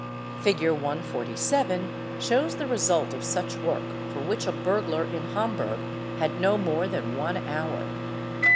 Figure 147 shows the 'result of such work for which a burglar in Hamburg had no more 'than one hour.